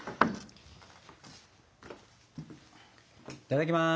いただきます！